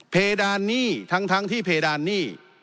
เพดานหนี้ทั้งที่เพดานหนี้